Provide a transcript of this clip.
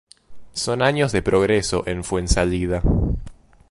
Son años de progreso en Fuensalida.